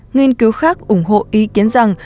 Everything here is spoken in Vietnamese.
nghiên cứu khác ủng hộ ý kiến rằng